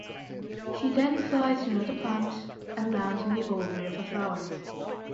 She then flies to another plant and lands on the ovary of a flower.